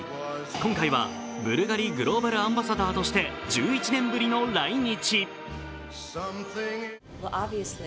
今回はブルガリグローバルアンバサダーとして１１年ぶりの来日。